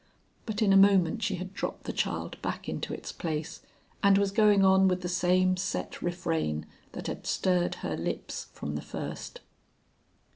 But in a moment she had dropped the child back into its place, and was going on with the same set refrain that had stirred her lips from the first.